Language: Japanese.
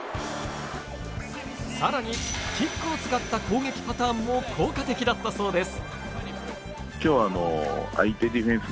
さらに、キックを使った攻撃パターンも効果的だったそうです。